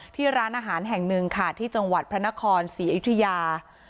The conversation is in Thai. ที่ร้านอาหารแห่งหนึ่งค่ะที่จังหวัดพระนครศรีอยุธยา